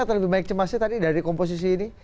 atau lebih banyak cemasnya dari komposisi ini